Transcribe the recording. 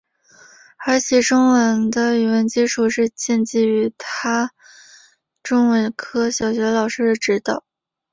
而其中文的语文基础是建基于他中文科小学老师的教导。